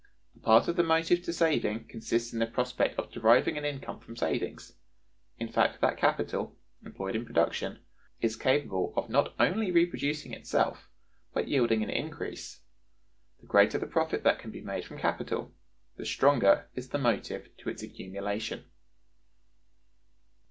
A part of the motive to saving consists in the prospect of deriving an income from savings; in the fact that capital, employed in production, is capable of not only reproducing itself but yielding an increase. The greater the profit that can be made from capital, the stronger is the motive to its accumulation.